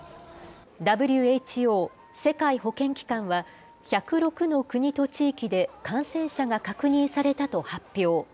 ＷＨＯ・世界保健機関は、１０６の国と地域で感染者が確認されたと発表。